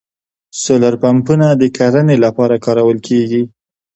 سولر پمپونه د کرنې لپاره کارول کیږي